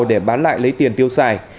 để bán lại lấy tiền tiêu xài